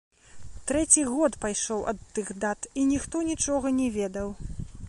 Трэці год пайшоў ад тых дат, і ніхто нічога не ведаў.